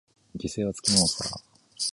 犠牲はつきものさ。